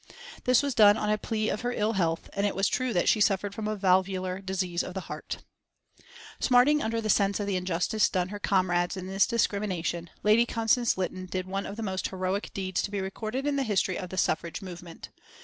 This was done on a plea of her ill health, and it was true that she suffered from a valvular disease of the heart. [Illustration: RIOT SCENES ON BLACK FRIDAY November, 1910] Smarting under the sense of the injustice done her comrades in this discrimination, Lady Constance Lytton did one of the most heroic deeds to be recorded in the history of the suffrage movement.